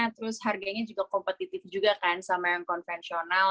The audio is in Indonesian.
terus harganya juga kompetitif juga kan sama yang konvensional